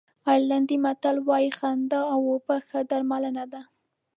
آیرلېنډي متل وایي خندا او خوب ښه درملنه ده.